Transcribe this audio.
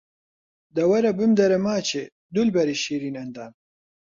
دە وەرە بمدەرێ ماچێ، دولبەری شیرین ئەندام